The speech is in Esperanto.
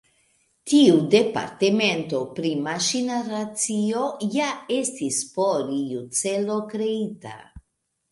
Tiu departemento pri Maŝina Racio ja estis por iu celo kreita.